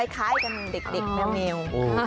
คล้ายกันเด็กนะแมว